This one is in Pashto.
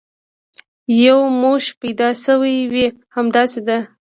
یو موش پیدا شوی وي، همداسې ده.